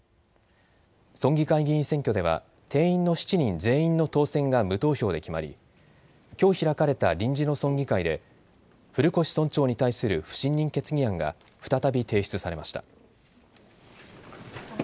村議員選挙では定員の７人全員の当選が無投票で決まりきょう開かれた臨時の村議会で古越村長に対する不信任決議案が再び提出されました。